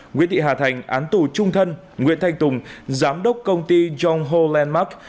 nguyễn thị hà thành án tù trung thân nguyễn thành tùng giám đốc công ty jongho landmark